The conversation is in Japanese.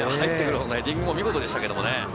ヘディングもお見事でしたけどね。